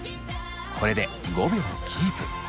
これで５秒キープ。